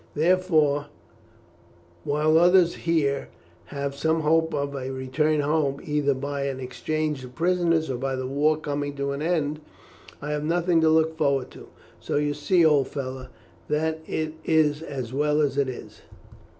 Therefore while others here have some hope of a return home, either by an exchange of prisoners or by the war coming to an end, I have nothing to look forward to. So you see, old fellow, that it is as well as it is.